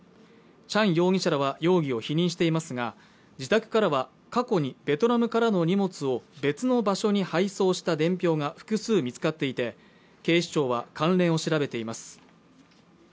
チャン容疑者らは容疑を否認していますが自宅からは過去にベトナムからの荷物を別の場所に配送した伝票が複数見つかっていて警視庁は関連を調べています